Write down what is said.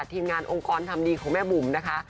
ทีมงานองค์กรทำดีของแม่บุ๋มนะคะ